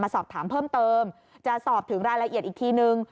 สอบถามเพิ่มเติมจะสอบถึงรายละเอียดอีกทีนึง